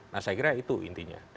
nah saya kira itu intinya